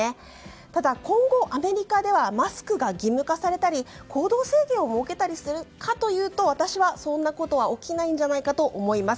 ただ、今後アメリカではマスクが義務化されたり行動制限を設けたりするかというと私はそんなことは起きないんじゃないかと思います。